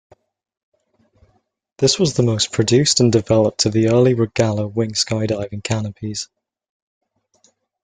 This was the most produced and developed of the early Rogallo wing skydiving canopies.